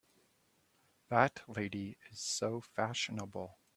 That lady is so fashionable!